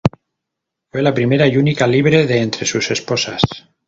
Fue la primera y única libre de entre sus esposas.